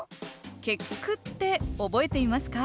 結句って覚えていますか？